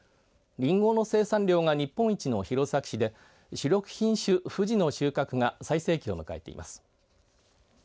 りんごの生産量が日本一の弘前市で主力品種ふじの収穫が最盛期を迎えています。